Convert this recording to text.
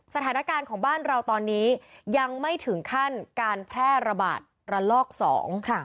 สถานการณ์ของบ้านเราตอนนี้ยังไม่ถึงขั้นการแพร่ระบาดระลอกสองค่ะ